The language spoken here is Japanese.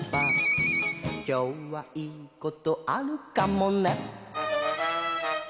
「きょうはいいことあるかもね」